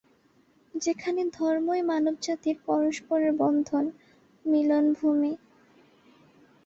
সেখানে ধর্মই মানবজাতির পরস্পরের বন্ধন, মিলনভূমি।